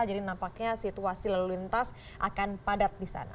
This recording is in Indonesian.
jadi nampaknya situasi lalu lintas akan padat di sana